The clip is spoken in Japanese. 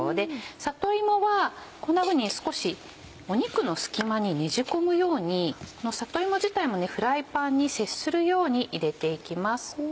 里芋はこんなふうに少し肉の隙間にねじ込むように里芋自体もフライパンに接するように入れていきます。